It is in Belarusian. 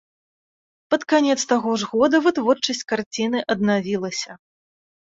Пад канец таго ж года вытворчасць карціны аднавілася.